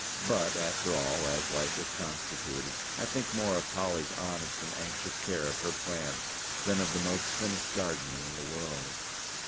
But, after all, as life is constituted, I think more of Polly's honest and anxious care of her plants than of the most finished gardening in the world.